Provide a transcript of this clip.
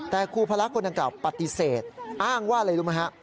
แต่ครูพระคนดังกล่าวปฏิเสธอ้างว่าอะไรรู้ไหมฮะ